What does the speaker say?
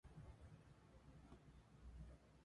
Pero no sólo Amelia es víctima de Ernest.